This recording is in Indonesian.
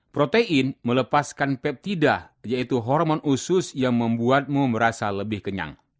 protein melepaskan peptida yaitu hormon usus yang membuatmu merasa lebih kenyang